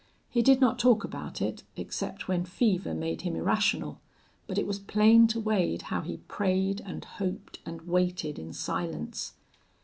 He did not talk about it, except when fever made him irrational, but it was plain to Wade how he prayed and hoped and waited in silence.